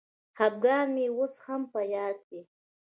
خپګان مي اوس هم په یاد دی.